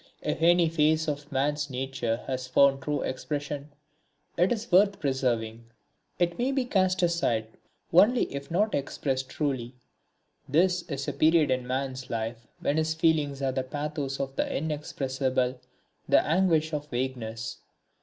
If any phase of man's nature has found true expression, it is worth preserving it may be cast aside only if not expressed truly. There is a period in man's life when his feelings are the pathos of the inexpressible, the anguish of vagueness.